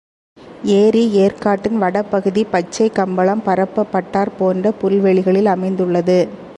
ஏரி ஏர்க்காட்டின் வட பகுதி பச்சைக் கம்பளம் பரப்பப்பட்டாற் போன்ற புல் வெளிகளில் அமைந்துள்ளது.